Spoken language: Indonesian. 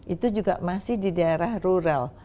itu juga masih di daerah rural